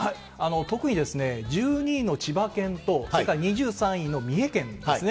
特に、１２位の千葉県と、それから２３位の三重県ですね。